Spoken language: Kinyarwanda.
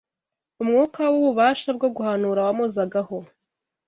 umwuka w’ububasha bwo guhanura wamuzagaho.